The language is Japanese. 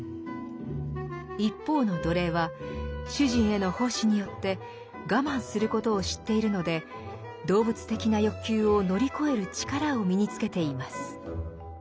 一方の奴隷は主人への奉仕によって我慢することを知っているので動物的な欲求を乗り越える力を身につけています。